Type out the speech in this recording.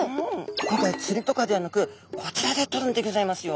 今回つりとかではなくこちらで取るんでギョざいますよ。